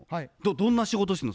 どんな仕事してんの？